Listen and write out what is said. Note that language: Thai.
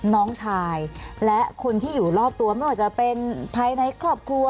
น้องชายและคนที่อยู่รอบตัวไม่ว่าจะเป็นภายในครอบครัว